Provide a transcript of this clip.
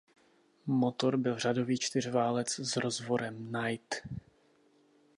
Motor byl řadový čtyřválec s rozvorem Knight.